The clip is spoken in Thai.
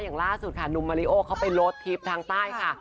อย่างล่าสุดค่ะหนุ่มมาริโอเขาไปลดทริปทางใต้ค่ะ